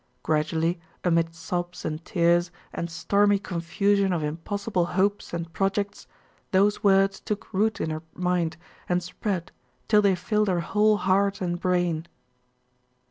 Gradually, amid sobs and tears, and stormy confusion of impossible hopes and projects, those words took root in her mind, and spread, till they filled her whole heart and brain.